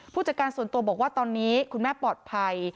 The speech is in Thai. จัดการส่วนตัวบอกว่าตอนนี้คุณแม่ปลอดภัย